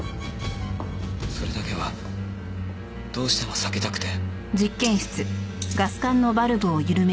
それだけはどうしても避けたくて。